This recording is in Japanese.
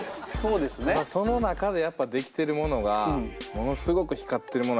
その中でやっぱ出来てるものがものすごく光ってるもの